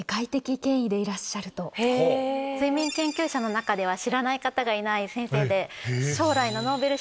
睡眠研究者の中では知らない方がいない先生で。